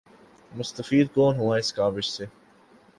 مستفید کون ہوا اس کاؤس سے ۔